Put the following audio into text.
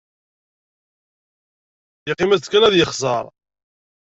Yeqqim-as-d kan ad yexẓer.